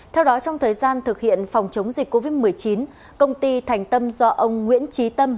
theo đó trong thời gian thực hiện phòng chống dịch covid một mươi chín công ty thành tâm do ông nguyễn trí tâm